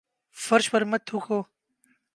فرش پر مت تھوکو